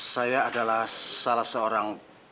saya adalah salah seorang